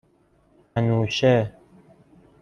انوشه